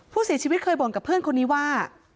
ผู้เสียชีวิตเคยบ่นกับเพื่อนคนนี้ว่า